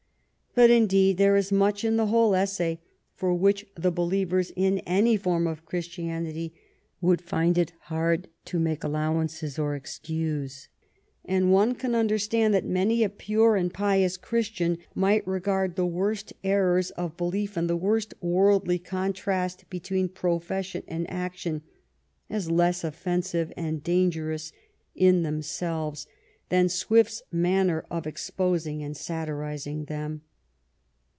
But, indeed, there is much in the whole essay for which the believers in any form, of Christianity would find it hard to make allowance or excuse, and one can understand that many a pure and pious Christian might regard the worst errors of belief and the worst worldly contrast between profession and action as less offensive and dangerous in themselves than Swift's manner of ex posing and satirizing them.